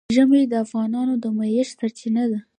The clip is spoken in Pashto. ژمی د افغانانو د معیشت سرچینه ده.